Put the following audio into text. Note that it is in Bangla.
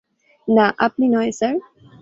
না, আপনি নয়, স্যার।